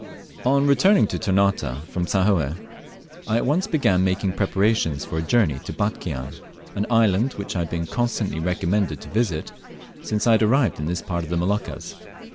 ON returning to Ternate from Sahoe, I at once began making preparations for a journey to Batchian, an island which I had been constantly recommended to visit since I had arrived in this part of the Moluccas.